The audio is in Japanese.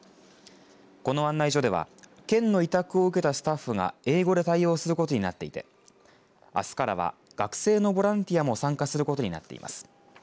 この案内所では県の委託を受けたスタッフが英語で対応することになっていてあすからは学生のボランティアも参加することになっています。